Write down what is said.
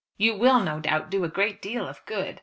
"You will no doubt do a great deal of good.